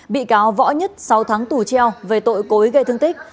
bị cáo võ nhất sáu tháng tù treo về tội cố ý gây thương tích